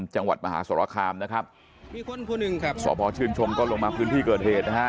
จังหวัดมหาสรคามนะครับมีคนคนหนึ่งครับสพชื่นชมก็ลงมาพื้นที่เกิดเหตุนะฮะ